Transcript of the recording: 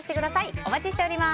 お待ちしております。